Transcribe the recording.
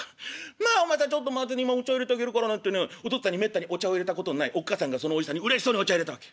「『まあお前さんちょっと待ってね今お茶いれてあげるから』なんてねお父っつぁんにめったにお茶をいれたことのないおっ母さんがそのおじさんにうれしそうにお茶いれたわけ。